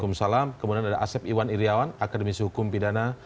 waalaikumsalam kemudian ada asep iwan iryawan akademisi hukum pidana